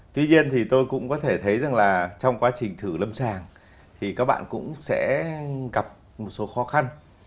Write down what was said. tuy nhiên tôi cũng có thể thấy trong quá trình thử lâm sàng thì các bạn cũng sẽ gặp một số khó khăn